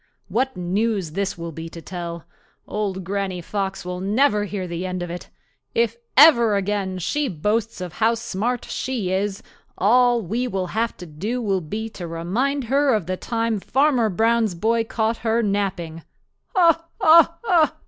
What news this will be to tell! Old Granny Fox will never hear the end of it. If ever again she boasts of how smart she is, all we will have to do will be to remind her of the time Farmer Brown's boy caught her napping. Ho! ho!